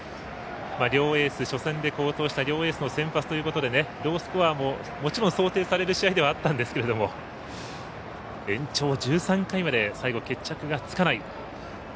両エース、初戦で好投した両エースの先発ということでロースコアももちろん、想定される試合ではあったんですけども延長１３回まで最後、決着がつかない。